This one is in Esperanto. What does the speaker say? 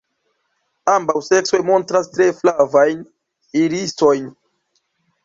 Ambaŭ seksoj montras tre flavajn irisojn.